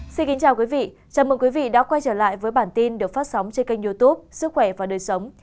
xin kính chào quý vị chào mừng quý vị đã quay trở lại với bản tin được phát sóng trên kênh youtube sức khỏe và đời sống